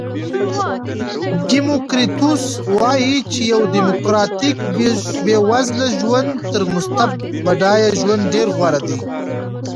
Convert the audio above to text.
دیموکریتوس وایي چې یو دیموکراتیک بېوزله ژوند تر مستبد بډایه ژوند ډېر غوره دی.